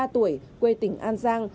hai mươi ba tuổi quê tỉnh an giang